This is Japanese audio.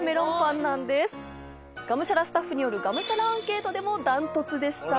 がむしゃらスタッフによる「がむしゃらアンケート」でも断トツでした。